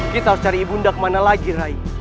kita harus cari ibunda kemana lagi ray